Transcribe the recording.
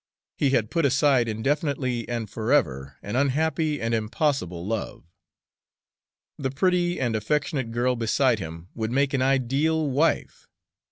He had put aside indefinitely and forever an unhappy and impossible love. The pretty and affectionate girl beside him would make an ideal wife.